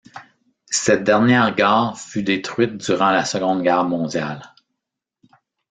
Cette dernière gare fut détruite durant la Seconde Guerre mondiale.